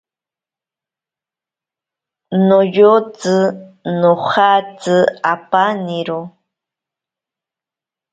Noyotsi nojatsi apaniro.